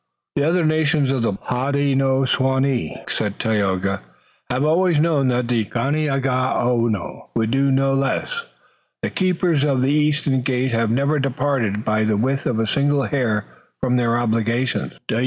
"The other nations of the Hodenosaunee," said Tayoga, "have always known that the Ganeagaono would do no less. The Keepers of the Eastern Gate have never departed by the width of a single hair from their obligations."